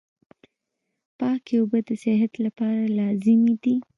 پاکي اوبه د صحت لپاره لازمي دي.